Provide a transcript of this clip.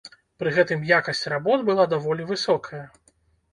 Пры гэтым якасць работ была даволі высокая.